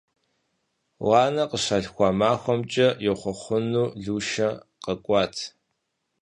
Ланэ къыщалъхуа махуэмкӀэ ехъуэхъуну Лушэ къэкӀуат.